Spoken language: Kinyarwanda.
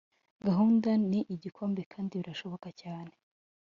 gahunda ni igikombe kandi birashoboka cyane